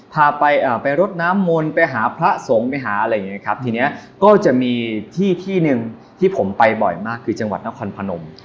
พาไปไปรดน้ำมนต์ไปหาพระสงฆ์ไปหาอะไรอย่างเงี้ครับทีนี้ก็จะมีที่ที่หนึ่งที่ผมไปบ่อยมากคือจังหวัดนครพนม